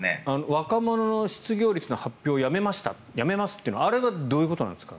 若者の失業率の発表をやめますというのはあれはどういうことなんですか？